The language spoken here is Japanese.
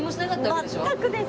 全くです。